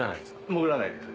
潜らないです